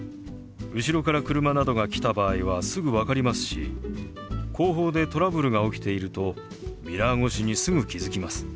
後ろから車などが来た場合はすぐ分かりますし後方でトラブルが起きているとミラー越しにすぐ気付きます。